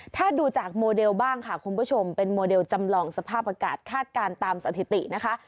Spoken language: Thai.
ถ้าดูจากโมเดลบ้างค่ะคุณผู้ชมเป็นโมเดลจำลองสภาพอากาศคาดการณ์ตามสถิตินะคะ